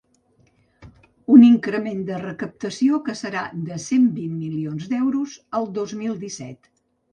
Un increment de recaptació que serà de cent vint milions d’euros el dos mil disset.